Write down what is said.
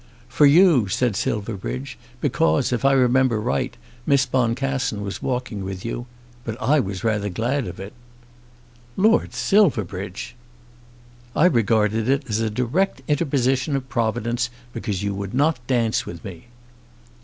"For you," said Silverbridge, "because, if I remember right, Miss Boncassen was walking with you; but I was rather glad of it." "Lord Silverbridge!" "I regarded it as a direct interposition of Providence, because you would not dance with me."